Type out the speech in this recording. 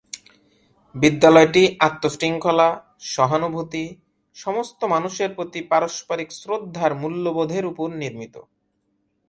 বিদ্যালয়টি আত্ম-শৃঙ্খলা, সহানুভূতি, সমস্ত মানুষের প্রতি পারস্পরিক শ্রদ্ধার মূল্যবোধের উপর নির্মিত।